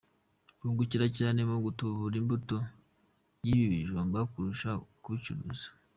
Bungukira cyane mu gutubura imbuto y’ibi bijumba kurusha kubicuruza.